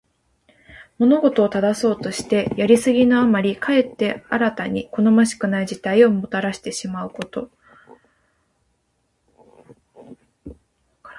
物事を正そうとして、やりすぎのあまりかえって新たに好ましくない事態をもたらしてしまうこと。「枉れるを矯めて直きに過ぐ」とも読む。